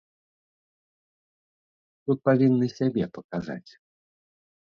Тут павінны сябе паказаць.